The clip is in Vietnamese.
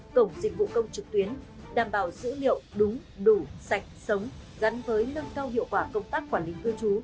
cổng dịch vụ công trực tuyến đảm bảo dữ liệu đúng đủ sạch sống gắn với nâng cao hiệu quả công tác quản lý cư trú